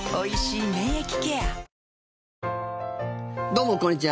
どうもこんにちは。